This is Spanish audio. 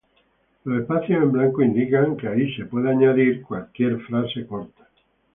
Los espacios en blanco indican que ahí puede ser añadida cualquier frase corta.